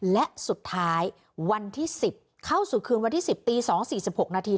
และสุดท้ายวันที่๑๐เข้าสู่คืนวันที่๑๐ตี๒๔๖นาที